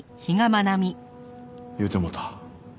言うてもうた。